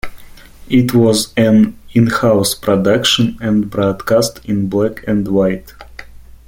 It was an in-house production and broadcast in black and white.